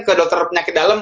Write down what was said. ke dokter penyakit dalem